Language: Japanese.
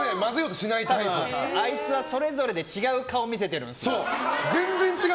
あいつはそれぞれで違う顔を見せてるんですよ。